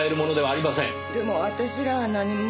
でも私らは何も。